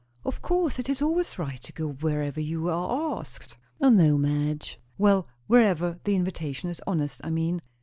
"Of course! It is always right to go wherever you are asked." "O no, Madge!" "Well, wherever the invitation is honest, I mean."